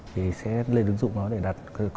thì sẽ lên ứng dụng đó để đặt